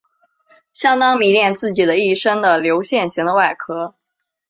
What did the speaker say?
相当迷恋自己的一身的流线型的外壳。